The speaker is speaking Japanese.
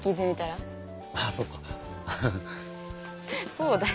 そうだよ。